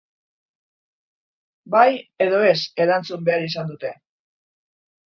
Bai edo ez erantzun behar izan dute.